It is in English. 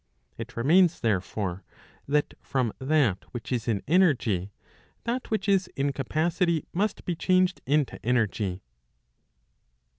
It remains, therefore, that from that which is in energy, that which is in capacity must be changed into energy.